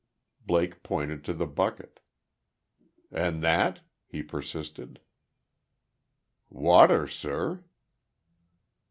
Blake pointed to the bucket. "And that?" he persisted. "Water, sir."